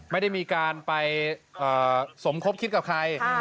ไม่ได้มีการไปสมคบคิดกับใคร